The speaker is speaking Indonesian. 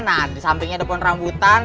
nah disampingnya ada pohon rambutan